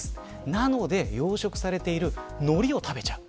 なので、養殖されているノリを食べちゃう。